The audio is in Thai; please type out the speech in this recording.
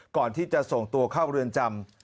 ก่อนที่จะส่งตัวเข้าเรือนจำ